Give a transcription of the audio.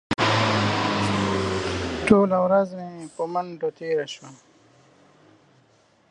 ټوله ورځ مې په منډو تېره شوه.